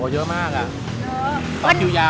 เยอะมาก